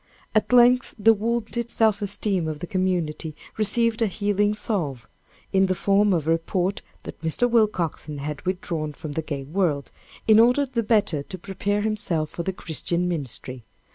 At length the wounded self esteem of the community received a healing salve, in the form of a report that Mr. Willcoxen had withdrawn from the gay world, in order the better to prepare himself for the Christian ministry.